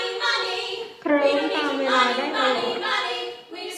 เคลิ้มตามได้ตลอดเวลา